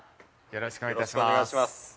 よろしくお願いします